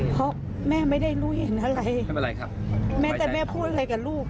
เพราะแม่ไม่ได้รู้เห็นอะไรแม่แต่แม่พูดอะไรกับลูก